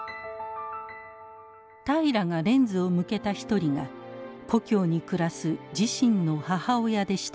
平良がレンズを向けた一人が故郷に暮らす自身の母親でした。